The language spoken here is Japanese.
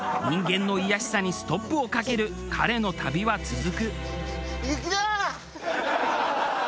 人間の卑しさにストップをかける彼の旅は続く。